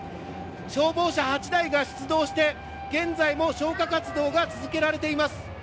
消防車８台が出動して現在も消火活動が続けられています。